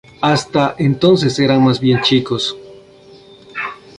Hasta entonces eran más bien chicos.